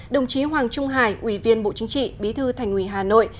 đồng chí hoàng trung hải ủy viên bộ chính trị bí thư thành ủy hà nội